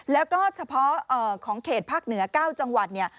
แล้วก็เฉพาะของเขตภาคเหนือ๙จังหวัดเนี่ย